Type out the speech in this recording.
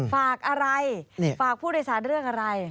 ฝากอะไรฝากผู้โดยสารเรื่องอะไร